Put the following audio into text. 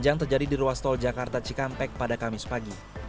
yang terjadi di ruas tol jakarta cikampek pada kamis pagi